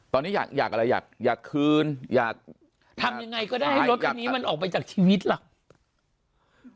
ตอนนี้อยากอยากอะไรอยากอยากคืนอยากทำยังไงก็ได้ให้รถคันนี้มันออกไปจากชีวิตล่ะ